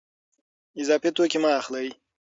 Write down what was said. اضافي توکي مه اخلئ.